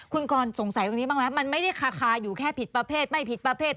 คุณกรสงสัยตรงนี้บ้างไหมมันไม่ได้คาอยู่แค่ผิดประเภทไม่ผิดประเภท